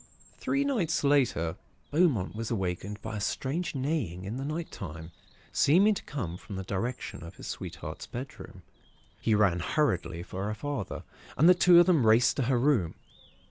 "Three nights later, Beaumont was awakened by a strange neighing in the night time, seeming to come from the direction of his sweetheart's bedroom. He ran hurriedly for her father, and the two of them raced to her room.